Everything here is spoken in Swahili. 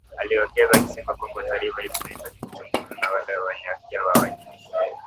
aliongeza akisema kwamba taarifa hizo zinahitaji kuchunguzwa na wale wenye hatia wawajibishwe